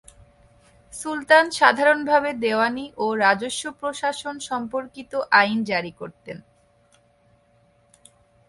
সুলতান সাধারণভাবে দেওয়ানিও রাজস্ব প্রশাসন সম্পর্কিত আইন জারি করতেন।